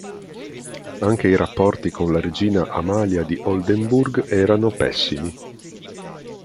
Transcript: Anche i rapporti con la regina Amalia di Oldenburg erano pessimi.